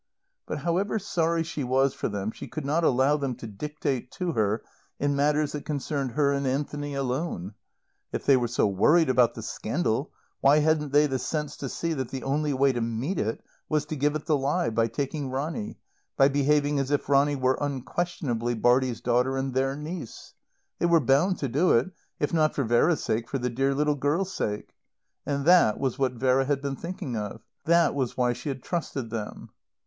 But however sorry she was for them she could not allow them to dictate to her in matters that concerned her and Anthony alone. If they were so worried, about the scandal, why hadn't they the sense to see that the only way to meet it was to give it the lie by taking Ronny, by behaving as if Ronny were unquestionably Bartie's daughter and their niece? They were bound to do it, if not for Vera's sake, for the dear little girl's sake. And that was what Vera had been thinking of; that was why she had trusted them.